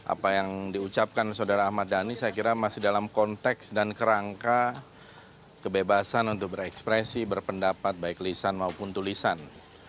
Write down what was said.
apa yang diucapkan saudara ahmad dhani saya kira masih dalam konteks dan kerangka kebebasan untuk berekspresi berpendapat baik lisan maupun tulisan